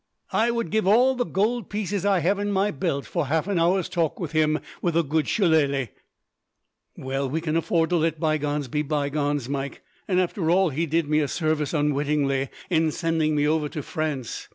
I would give all the gold pieces I have in my belt for half an hour's talk with him, with a good shillelah!" "Well, we can afford to let bygones be bygones, Mike. And after all, he did me a service, unwittingly, in sending me over to France.